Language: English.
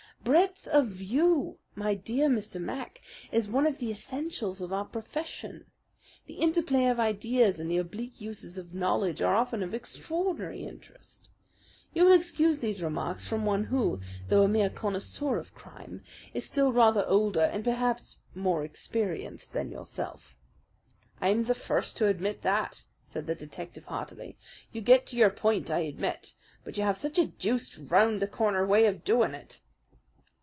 Breadth of view, my dear Mr. Mac, is one of the essentials of our profession. The interplay of ideas and the oblique uses of knowledge are often of extraordinary interest. You will excuse these remarks from one who, though a mere connoisseur of crime, is still rather older and perhaps more experienced than yourself." "I'm the first to admit that," said the detective heartily. "You get to your point, I admit; but you have such a deuced round the corner way of doing it."